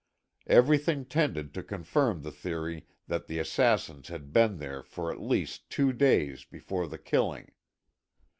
Everything tended to confirm the theory that the assassins had been there for at least two days before the killing.